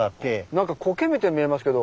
何かこけみたいに見えますけど。